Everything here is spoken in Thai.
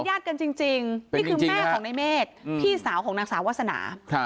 ญาติกันจริงนี่คือแม่ของในเมฆพี่สาวของนางสาววาสนา